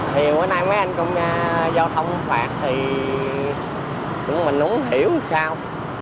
thì hôm nay mấy anh công gia giao thông phát thì mình không hiểu sao